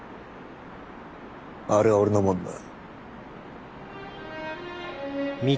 あれは俺のもんだ。